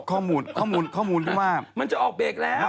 ข้อมูลข้อมูลข้อมูลที่ว่ามันจะออกเบรกแล้ว